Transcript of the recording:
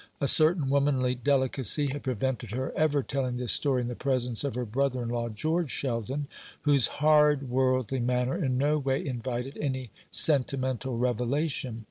A certain womanly delicacy had prevented her ever telling this story in the presence of her brother in law, George Sheldon, whose hard worldly manner in no way invited any sentimental revelation.